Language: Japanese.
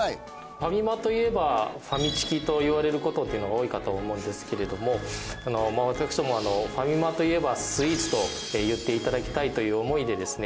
ファミマといえばファミチキと言われる事っていうのが多いかと思うんですけれども私どもはファミマといえばスイーツと言っていただきたいという思いでですね